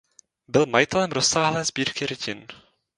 Byl majitelem rozsáhlé sbírky rytin.